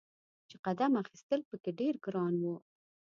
چې قدم اخیستل په کې ډیر ګران و.